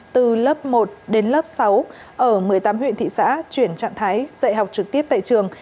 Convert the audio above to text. từ lớp một đến lớp sáu ở một mươi tám huyện thị xã chuyển trạng thái dạy học trực tiếp tại trường